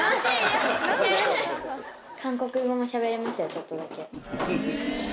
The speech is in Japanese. ちょっとだけ。